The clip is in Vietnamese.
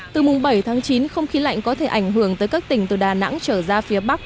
từ mùng bảy tháng chín không khí lạnh có thể ảnh hưởng tới các tỉnh từ đà nẵng trở ra phía bắc